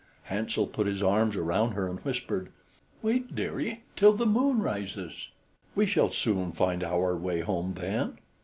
Hansel put his arms around her and whispered. "Wait, dearie, till the moon rises; we shall soon find our way home then."